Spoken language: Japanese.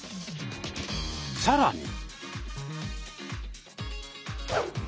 さらに。